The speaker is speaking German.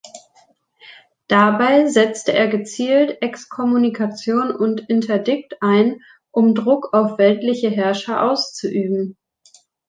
Dabei setzte er gezielt Exkommunikation und Interdikt ein, um Druck auf weltliche Herrscher auszuüben.